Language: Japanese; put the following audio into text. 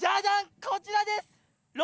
こちらです！